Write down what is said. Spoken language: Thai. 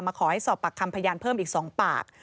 ขอให้สอบปากคำพยานเพิ่มอีก๒ปาก